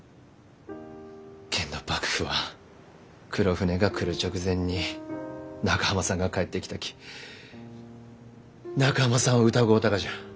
けんど幕府は黒船が来る直前に中濱さんが帰ってきたき中濱さんを疑うたがじゃ。